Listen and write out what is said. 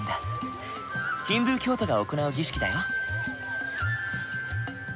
ヒンドゥー教徒が行う儀式だよ。